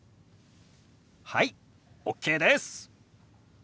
はいＯＫです！